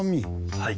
はい。